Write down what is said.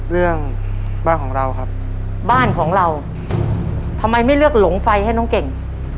เรื่องบ้านของเราครับบ้านของเราทำไมไม่เลือกหลงไฟให้น้องเก่ง